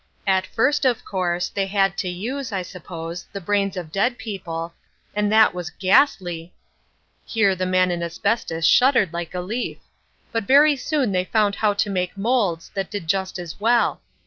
At first, of course, they had to use, I suppose, the brains of dead people, and that was ghastly"—here the Man in Asbestos shuddered like a leaf—"but very soon they found how to make moulds that did just as well.